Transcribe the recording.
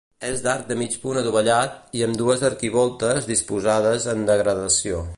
És d'arc de mig punt adovellat i amb dues arquivoltes disposades en degradació.